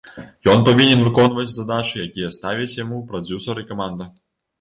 Ён павінен выконваць задачы, якія ставіць яму прадзюсар і каманда.